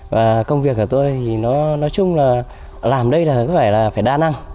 và công việc của tôi thì nó nói chung là làm đây là có vẻ là phải đa năng